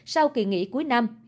sau kỳ nghỉ cuối năm